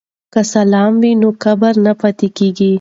که سلام وي نو کبر نه پاتیږي.